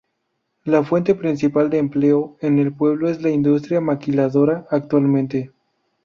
La fuente principal de empleo en el pueblo es la industria maquiladora, actualmente.